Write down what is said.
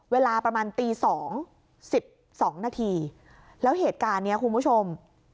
เวลาประมาณตี๒๑๒นาทีแล้วเหตุการณ์นี้คุณผู้ชม